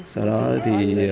sau đó thì